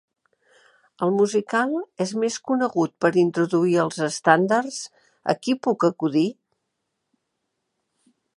El musical és més conegut per introduir els estàndards "A qui puc acudir?"